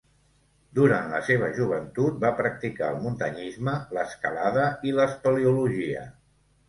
Durant la seva joventut va practicar el muntanyisme, l'escalada i l'espeleologia.